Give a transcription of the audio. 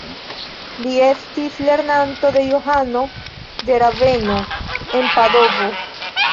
Li estis lernanto de Johano de Raveno, en Padovo.